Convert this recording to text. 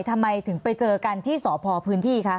ทำไมถึงไปเจอกันที่สพพื้นที่คะ